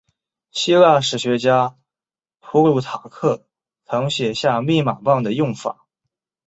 希腊历史学家普鲁塔克曾写下密码棒的用法。